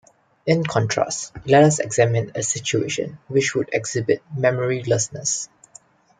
In contrast, let us examine a situation which would exhibit memorylessness.